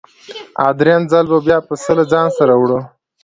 او درېیم ځل بیا پسه له ځانه سره وړو.